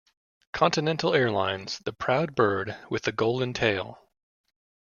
Continental Airlines: the Proud Bird with the Golden Tail.